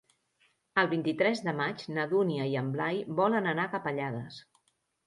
El vint-i-tres de maig na Dúnia i en Blai volen anar a Capellades.